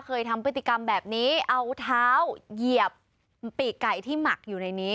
เคยทำพฤติกรรมแบบนี้เอาเท้าเหยียบปีกไก่ที่หมักอยู่ในนี้